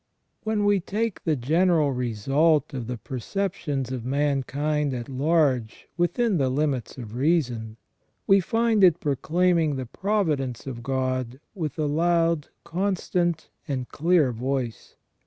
When we take the general result of the perceptions of mankind at large within the limits of reason, we find it proclaiming the providence of God with a loud, constant, and clear voice.